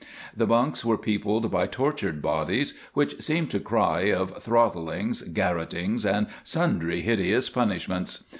The bunks were peopled by tortured bodies, which seemed to cry of throttlings, garrotings, and sundry hideous punishments.